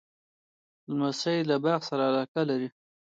لمسی له باغ سره علاقه لري.